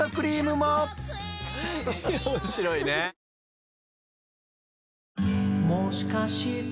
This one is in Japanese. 「もしかして」